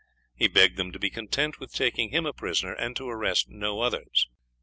He begged them to be content with taking him a prisoner, and to arrest no others.